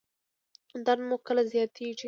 درد مو کله زیاتیږي؟